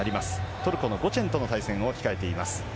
トルコのゴチェンとの対戦を控えています。